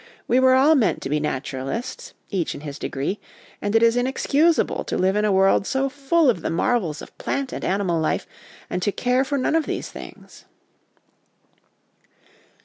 We were all meant to be naturalists, each in his degree, and it is inexcusable to live in a world so full of the marvels of plant and animal life and to care for none of these things.